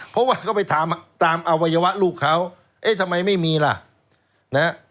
เพราะว่าเขาไปถามตามอวัยวะลูกเขาเอ๊ะทำไมไม่มีล่ะนะฮะ